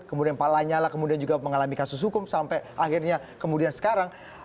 kemudian pak lanyala kemudian juga mengalami kasus hukum sampai akhirnya kemudian sekarang